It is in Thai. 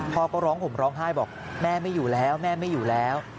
พ่อก็ร้องห่มร้องไห้บอกแม่ไม่อยู่แล้วแม่ไม่อยู่แล้ว